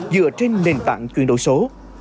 dựa trên nền tảng chuyển đổi số